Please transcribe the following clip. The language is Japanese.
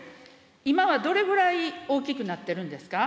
今はどれぐらい大きくなってるんですか。